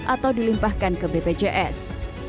atau dilimpahkan ke bpjs